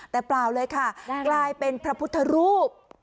แต่เปล่าเลยค่ะกลายเป็นพระพุทธรูป